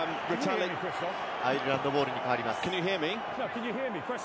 アイルランドボールに変わります。